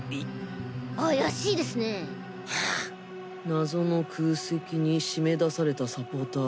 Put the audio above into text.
謎の空席に締め出されたサポーター。